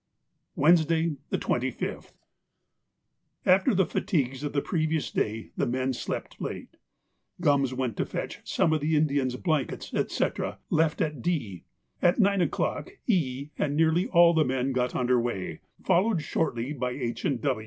Wednesday, the 25th.—After the fatigues of the previous day the men slept late. Gums went to fetch some of the Indians' blankets, &c., left at D. At nine o'clock E. and nearly all the men got under way, followed shortly by H.